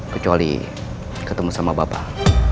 kecuali ketemu sama bapak